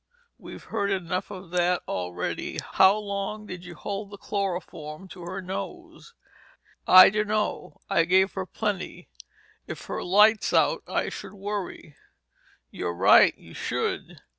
We've heard enough of that already. How long did you hold the chloroform to her nose?" "I dunno. I gave her plenty. If her light's out, I should worry." "You're right, you should.